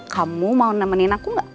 kamu mau nemenin aku gak